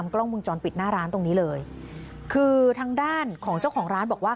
กล้องมุมจรปิดหน้าร้านตรงนี้เลยคือทางด้านของเจ้าของร้านบอกว่า